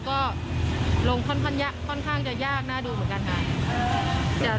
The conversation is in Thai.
ก็ลงค่อนข้างจะยากน่าดูเหมือนกันค่ะ